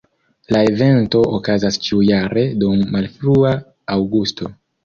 La evento okazas ĉiujare dum malfrua aŭgusto.